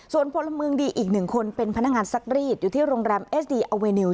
ส่วนพลเมืองดีอีกหนึ่งคนเป็นพนักงานซักรีดอยู่ที่โรงแรมเอสดีอเวนิว